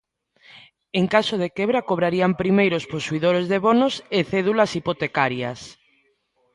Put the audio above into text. En caso de quebra cobrarían primeiro os posuidores de bonos e cédulas hipotecarias.